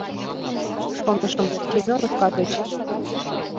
— Шонышым, Семёновка гыч.